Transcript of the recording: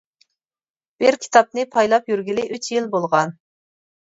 بىر كىتابنى پايلاپ يۈرگىلى ئۈچ يىل بولغان.